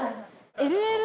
ＬＬ？